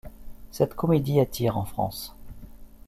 Cette comédie attire en France.